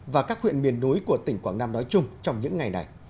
và các huyện miền núi của tỉnh quảng nam nói chung trong những ngày này